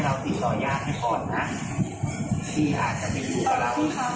ได้รอให้เราติดต่อย่างนิดหน่อยนะที่อาจจะมีอยู่กับเรา